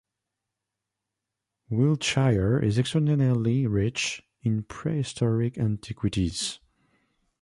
Wiltshire is extraordinarily rich in prehistoric antiquities.